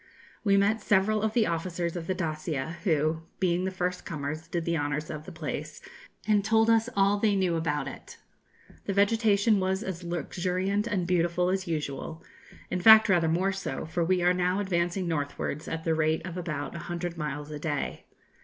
We met several of the officers of the 'Dacia,' who, being the first comers, did the honours of the place, and told us all they knew about it. The vegetation was as luxuriant and beautiful as usual in fact, rather more so; for we are now advancing northwards at the rate of about a hundred miles a day.